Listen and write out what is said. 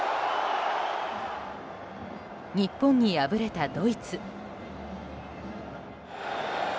日本に敗れたドイツ。